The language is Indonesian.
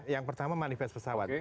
yang pertama manifest pesawat